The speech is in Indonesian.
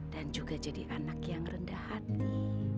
dan juga jadi anak yang rendah hati